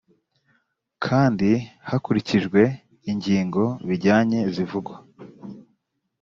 kandi hakurikijwe ingingo bijyanye zivugwa